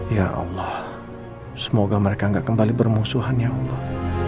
ya allah semoga mereka gak kembali bermusuhan ya allah